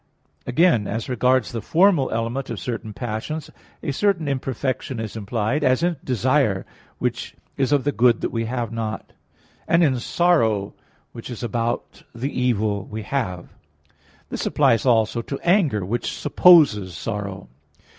Again, as regards the formal element of certain passions a certain imperfection is implied, as in desire, which is of the good we have not, and in sorrow, which is about the evil we have. This applies also to anger, which supposes sorrow.